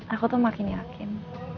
aku tuh makin yakin